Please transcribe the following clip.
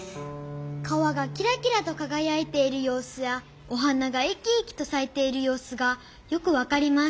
「川がきらきらとかがやいているようすやお花がいきいきとさいているようすがよくわかります」